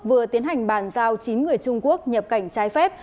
vừa tiến hành bàn giao chín người trung quốc nhập cảnh trái phép